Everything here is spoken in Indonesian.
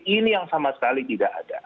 ini yang sama sekali tidak ada